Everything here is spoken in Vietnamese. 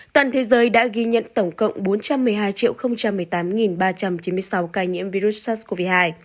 toàn thế giới đã ghi nhận tổng cộng bốn trăm một mươi hai một mươi tám ba trăm chín mươi sáu ca nhiễm virus sars cov hai